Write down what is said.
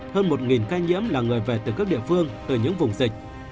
hơn một ca nhiễm là người về từ các địa phương từ những vùng dịch